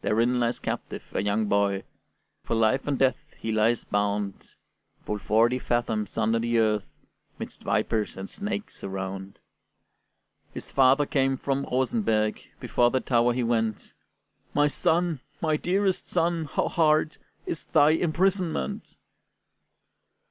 Therein lies captive a young boy, For life and death he lies bound, Full forty fathoms under the earth, 'Midst vipers and snakes around. His father came from Rosenberg, Before the tower he went: "My son, my dearest son, how hard Is thy imprisonment!"